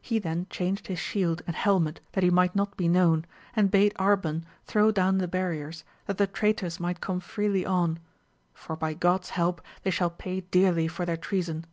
He then changed his shield and helmet that he might not be known, and bade Arban throw down the barriers, that the traitors might gome freely on, for by God's help they shall pay dearly for their treason